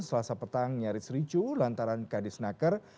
selasa petang nyaris ricu lantaran kd snaker